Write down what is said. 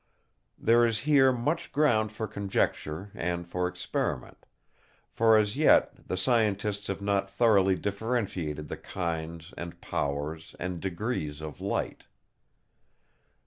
There is here much ground for conjecture and for experiment; for as yet the scientists have not thoroughly differentiated the kinds, and powers, and degrees of light.